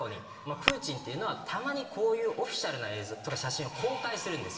プーチンっていうのはたまにこういうオフィシャルな映像とか写真を公開するんですよ。